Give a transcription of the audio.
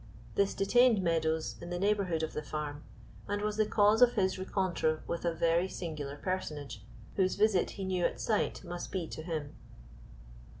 This detained Meadows in the neighborhood of the farm, and was the cause of his rencontre with a very singular personage, whose visit he knew at sight must be to him.